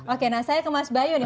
oke nah saya ke mas bayu nih